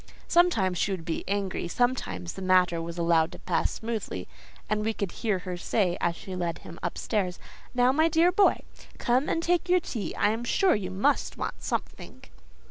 Sometimes she would be angry; sometimes the matter was allowed to pass smoothly, and we could hear her say as she led him up stairs: "Now, my dear boy, come and take your tea—I am sure you must want something."